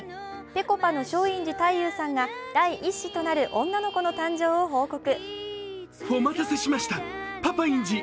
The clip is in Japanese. ぺこぱの松陰寺太勇さんが第１子となる女の子の誕生を報告。